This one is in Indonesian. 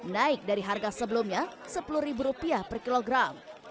naik dari harga sebelumnya rp sepuluh per kilogram